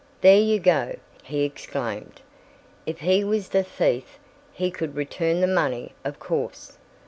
"There you go!" he exclaimed. "If he was the thief, he could return the money, of course.